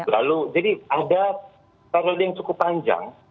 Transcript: lalu jadi ada terlalu yang cukup panjang